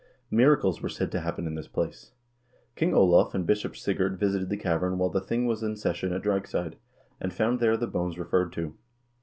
Miracles were said to happen in this place. King Olav and Bishop Sigurd visited the cavern while the thing was in session at Dragseid, and found there the bones referred to.